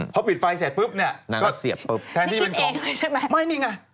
เพราะปิดไฟเสร็จปุ๊บเนี่ยแทนที่เป็นกองไม่นี่ไง